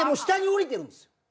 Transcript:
下に下りてるんですよ。